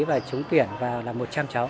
và trúng tuyển vào là một trăm linh cháu